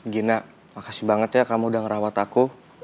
gina makasih banget ya kamu udah ngerawat aku